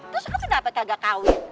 terus lu kenapa kagak kawin